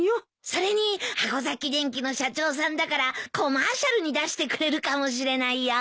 それに箱崎電気の社長さんだからコマーシャルに出してくれるかもしれないよ。